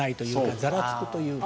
ざらつくというか。